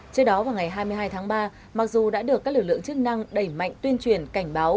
trước đó vào ngày hai mươi hai tháng ba mặc dù đã được các lực lượng chức năng đẩy mạnh tuyên truyền cảnh báo